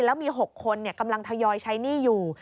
แล้วมี๖คนกำลังทยอยใช้หนี้อยู่